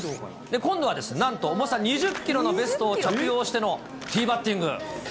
今度はなんと重さ２０キロのベストを着用してのティーバッティング。